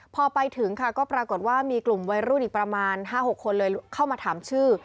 พอไปถึงค่ะก็ปรากฏว่ามีกลุ่มวัยรุ่นอีกประมาณ๕๖คนเลยเข้ามาถามชื่อ